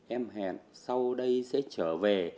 em hẹn sau đây sẽ trở về